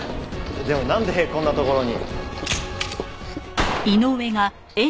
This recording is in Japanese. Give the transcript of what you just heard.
でもなんでこんな所に？